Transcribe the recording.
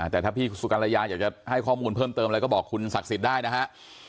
แต่ถ้าพี่สุกรยาอยากจะให้ข้อมูลเพิ่มเติมอะไรก็บอกคุณศักดิ์สิทธิ์ได้นะฮะ